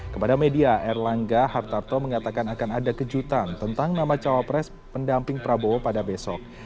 kepada media erlangga hartarto mengatakan akan ada kejutan tentang nama cawapres pendamping prabowo pada besok